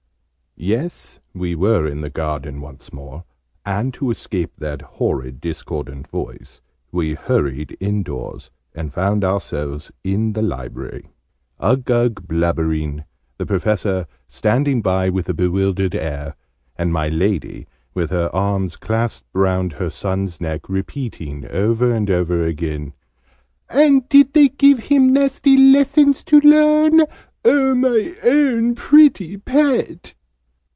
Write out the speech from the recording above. Yes, we were in the garden once more: and, to escape that horrid discordant voice, we hurried indoors, and found ourselves in the library Uggug blubbering, the Professor standing by with a bewildered air, and my Lady, with her arms clasped round her son's neck, repeating, over and over again, "and did they give him nasty lessons to learn? My own pretty pet!"